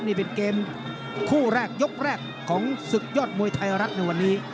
นี่เป็นเกมคู่แรกยกแรกของศึกยอดมวยไทยรัฐในวันนี้